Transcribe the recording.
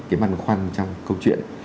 cái băn khoăn trong câu chuyện